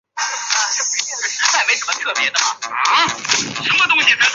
刺儿瓜为葫芦科假贝母属下的一个种。